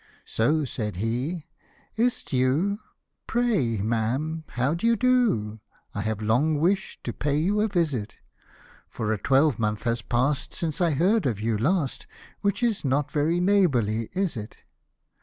So said he, " Is't you ? pray, ma'am, how do you do, I have long wish'd to pay you a visit ; For a twelvemonth has pass'd since I heard of you last, Which is not very neighbourly, is it